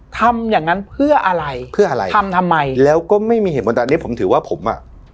ทำอย่างนั้นเพื่ออะไรเพื่ออะไรทำทำไมแล้วก็ไม่มีเหตุผลตอนนี้ผมถือว่าผมอ่ะ